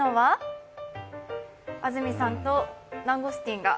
安住さんとナンゴスティンが。